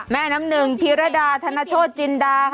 แม่น้ำหนึ่งพิรดาธนโชธจินดาค่ะ